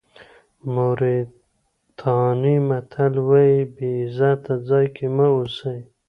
موریتاني متل وایي بې عزته ځای کې مه اوسئ.